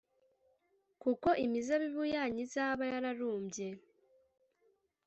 kuko imizabibu yanyu izaba yararumbye,